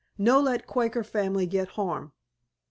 No let Quaker family get harm."